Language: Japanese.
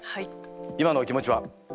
今のお気持ちは？